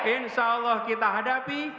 insya allah kita hadapi